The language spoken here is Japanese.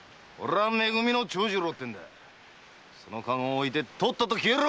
その駕籠を置いてとっとと消えろ！